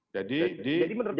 jadi menurut anda